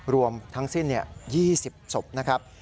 รวมทั้งสิ้น๒๐ศพนะครับ